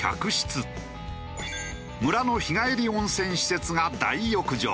村の日帰り温泉施設が大浴場。